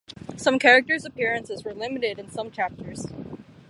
Some characters' appearances were limited in some chapters.